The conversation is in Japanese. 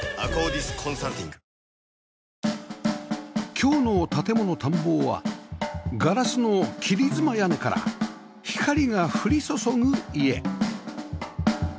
今日の『建もの探訪』はガラスの切り妻屋根から光が降り注ぐ家